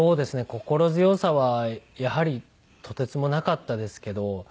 心強さはやはりとてつもなかったですけど。